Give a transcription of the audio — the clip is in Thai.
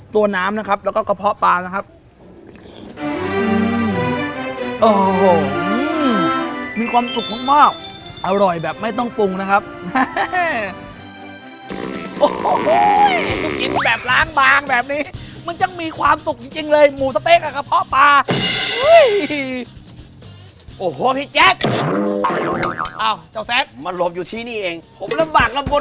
น้ำนะครับแล้วก็กระเพาะปลานะครับ